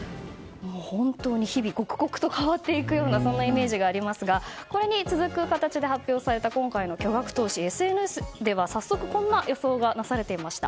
本当に日々刻々と変わっていくようなそんなイメージがありますがこれに続く形で発表された今回の巨額投資ＳＮＳでは早速こんな予想がなされていました。